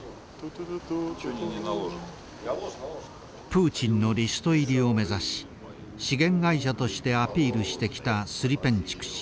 プーチンのリスト入りを目指し資源会社としてアピールしてきたスリペンチュク氏。